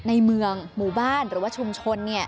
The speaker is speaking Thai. ในเมืองหมู่บ้านหรือว่าชุมชน